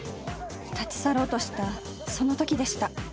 ［立ち去ろうとしたそのときでした］